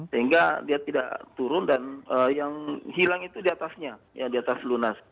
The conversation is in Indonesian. sehingga dia tidak turun dan yang hilang itu di atasnya ya di atas lunas